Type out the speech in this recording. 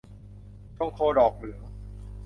ชงโคดอกเหลือง